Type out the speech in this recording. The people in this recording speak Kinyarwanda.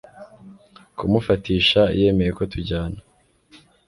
kumufatisha yemeye ko tujyana